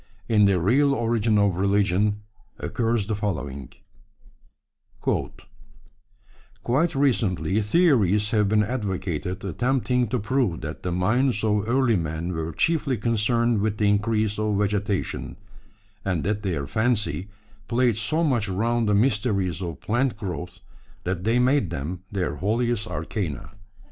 In The Real Origin of Religion occurs the following: Quite recently theories have been advocated attempting to prove that the minds of early men were chiefly concerned with the increase of vegetation, and that their fancy played so much round the mysteries of plant growth that they made them their holiest arcana.